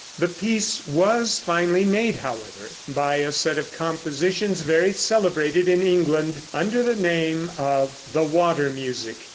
The peace was finally made, however, by a set of compositions very celebrated in England under the name of "The Water Music."